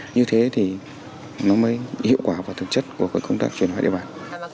như thế thì nó mới hiệu quả và thực chất của công tác chuyển hóa địa bàn